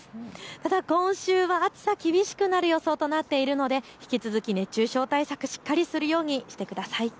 ただ今週は暑さ厳しくなる予想となっているので引き続き熱中症対策、しっかりするようにしてください。